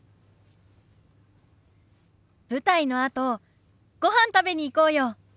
舞台のあとごはん食べに行こうよ。